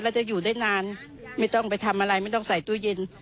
แล้วจะอยู่ได้นานไม่ต้องไปทำอะไรไม่ต้องใส่ตู้เย็น